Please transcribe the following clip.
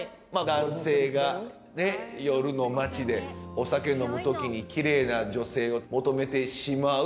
男性がねっ夜の街でお酒飲む時にきれいな女性を求めてしまう。